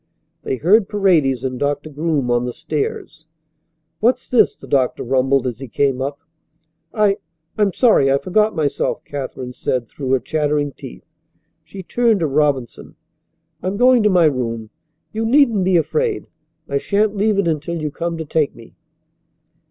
They heard Paredes and Doctor Groom on the stairs. "What's this?" the doctor rumbled as he came up. "I I'm sorry I forgot myself," Katherine said through her chattering teeth. She turned to Robinson. "I am going to my room. You needn't be afraid. I shan't leave it until you come to take me."